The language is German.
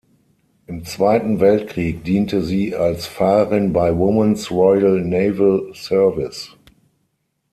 Im Zweiten Weltkrieg diente sie als Fahrerin bei Woman’s Royal Naval Service.